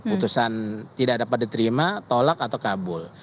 putusan tidak dapat diterima tolak atau kabul